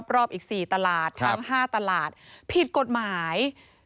รอบอีก๔ตลาดทั้ง๕ตลาดผิดกฎหมาย